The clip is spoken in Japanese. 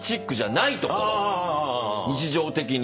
日常的に。